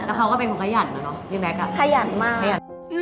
แล้วเขาก็เป็นคนขยันอะเนาะพี่แก๊กอ่ะขยันมากขยัน